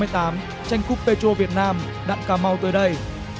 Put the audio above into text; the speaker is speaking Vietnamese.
tranh cúp petro việt nam đặn cà mau tới đây